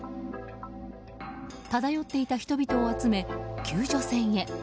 漂っていた人々を集め、救助船へ。